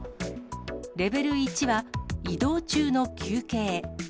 レベル１は移動中の休憩。